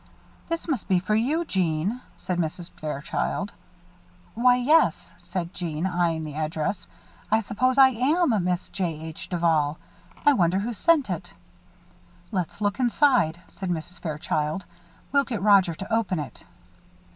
"This must be for you, Jeanne," said Mrs. Fairchild. "Why, yes," said Jeanne, eying the address. "I suppose I am Miss J.H. Duval. I wonder who sent it." "Let's look inside," said Mrs. Fairchild. "We'll get Roger to open it."